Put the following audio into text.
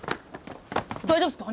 大丈夫っすか！？